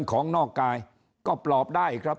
ถูกหลอกนอกกายก็ปรอบได้ครับ